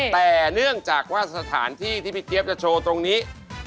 แต่เนื่องจากว่าสถานที่ที่พี่เจี๊ยบจะโชว์ตรงนี้